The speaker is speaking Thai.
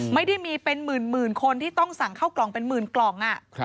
ไม่ได้มีเป็นหมื่นคนที่ต้องสั่งเข้ากล่องเป็นหมื่นกล่อง